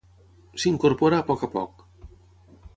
S'incorpora a poc a poc.